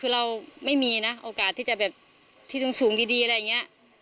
คือเราไม่มีนะโอกาสที่จะแบบที่สูงดีอะไรอย่างนี้